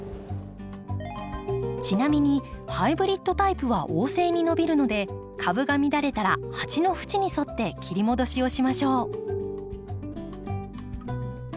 ちなみにハイブリッドタイプは旺盛に伸びるので株が乱れたら鉢の縁に沿って切り戻しをしましょう。